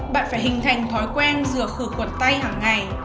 bạn phải hình thành thói quen rửa khử khuẩn tay hàng ngày